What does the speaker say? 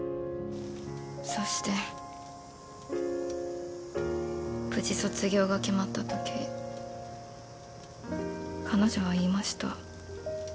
現在そして無事卒業が決まった時彼女は言いました。